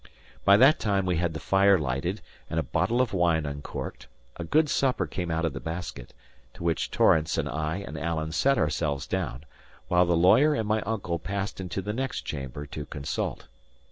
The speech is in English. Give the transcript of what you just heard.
By that time we had the fire lighted, and a bottle of wine uncorked; a good supper came out of the basket, to which Torrance and I and Alan set ourselves down; while the lawyer and my uncle passed into the next chamber to consult.